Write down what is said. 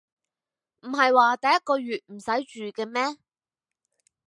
唔係話第一個月唔使住嘅咩